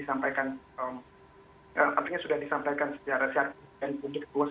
artinya sudah disampaikan secara secara secara dan publik luas